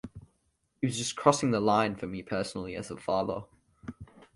It was just crossing the line for me personally as a father.